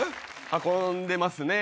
運んでますね。